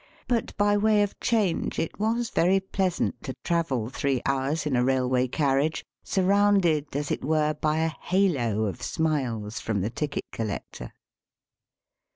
But by way of change it was very pleasant to travel three hours in a railway carriage surrounded, as it were, by a halo of smiles from the ticket collector.